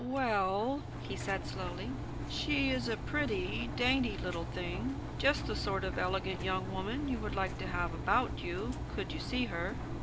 "Well," he said slowly, "she is a pretty, dainty little thing; just the sort of elegant young woman you would like to have about you, could you see her."